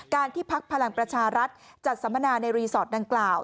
ที่พักพลังประชารัฐจัดสัมมนาในรีสอร์ทดังกล่าว